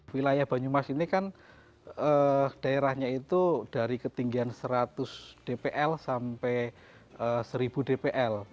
wilayah banyumas ini kan daerahnya itu dari ketinggian seratus dpl sampai seribu dpl